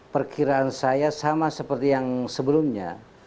perkiraan saya sama seperti yang sebelumnya